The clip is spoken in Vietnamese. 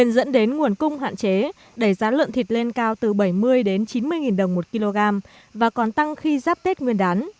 dẫn đến nguồn cung hạn chế đẩy giá lợn thịt lên cao từ bảy mươi đến chín mươi nghìn đồng một kg và còn tăng khi giáp tết nguyên đán